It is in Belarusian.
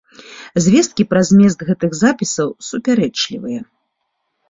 Звесткі пра змест гэтых запісаў супярэчлівыя.